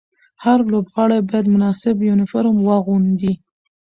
هر لوبغاړی باید مناسب یونیفورم واغوندي.